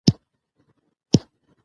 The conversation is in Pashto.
نازنين : پلاره څه چې وايې؟